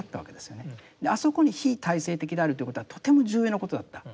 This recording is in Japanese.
あそこに非体制的であるということはとても重要なことだった。